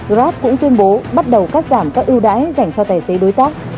raat cũng tuyên bố bắt đầu cắt giảm các ưu đãi dành cho tài xế đối tác